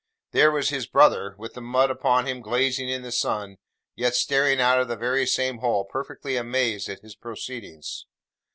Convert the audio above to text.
There was his brother, with the mud upon him glazing in the sun, yet staring out of the very same hole, perfectly amazed at his proceedings!